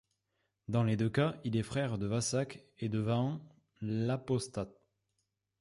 Dans les deux cas, il est frère de Vasak et de Vahan l'Apostat.